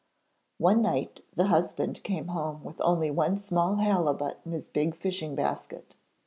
One night the husband came home with only one small halibut in his big fishing basket.